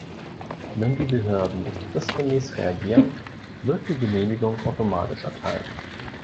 Wenn die Behörden nicht fristgemäß reagieren, wird die Genehmigung automatisch erteilt.